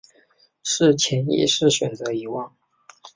是潜意识选择遗忘